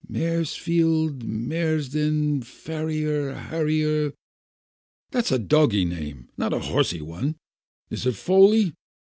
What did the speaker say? Maresfield, Maresden— Farrier — Harrier " "That's a doggy name, not a horsey one. Is it Foley?"